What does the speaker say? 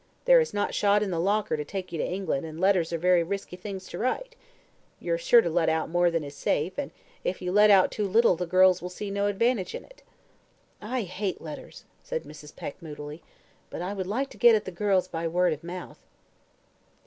There is not shot in the locker to take you to England, and letters are very risky things to write. You're sure to let out more than is safe, and if you let out too little the girls will see no advantage in it." "I hate letters," said Mrs. Peck, moodily; "but I would like to get at the girls by word of mouth."